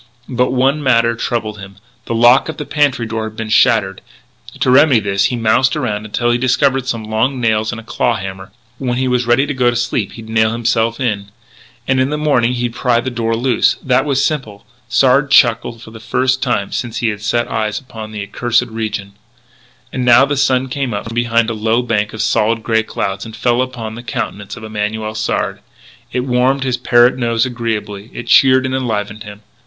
But one matter troubled him: the lock of the pantry door had been shattered. To remedy this he moused around until he discovered some long nails and a claw hammer. When he was ready to go to sleep he'd nail himself in. And in the morning he'd pry the door loose. That was simple. Sard chuckled for the first time since he had set eyes upon the accursed region. And now the sun came out from behind a low bank of solid grey cloud, and fell upon the countenance of Emanuel Sard. It warmed his parrot nose agreeably; it cheered and enlivened him.